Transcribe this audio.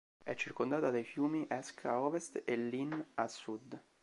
È circondata dai fiumi Esk a ovest e Lyne a sud.